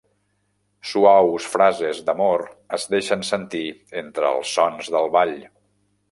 Suaus frases d'amor es deixen sentir entre els sons del ball.